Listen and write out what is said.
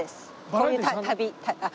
こういう旅。